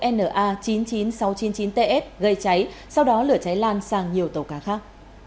na chín mươi chín nghìn sáu trăm chín mươi chín ts gây cháy sau đó lửa cháy lan sang nhiều tàu cá khác